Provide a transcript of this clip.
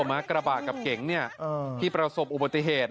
คุณผู้ชมครับกระบะกับเก๋งที่ประสบอุบัติเหตุ